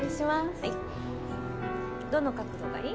はいどの角度がいい？